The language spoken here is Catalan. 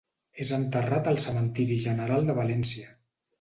És enterrat al Cementiri General de València.